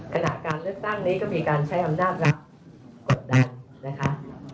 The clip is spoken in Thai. ขณะการเลือกตั้งนี้ก็มีการใช้อำนาจรัฐกดดันนะคะ